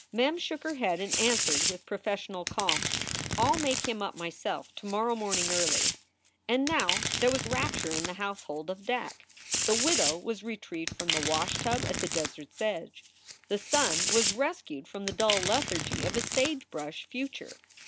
Mem shook her head and answered, with professional calm, "I ll make him up, myself, to morrow morning early." And now there was rapture in the household of Dack. The widow was retrieved from the wash tub at the desert s edge. The son was rescued from the dull lethargy of a sage brush future.